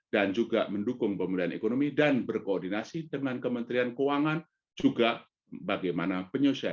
dan kami menggunakan baseline skenario empat kali fed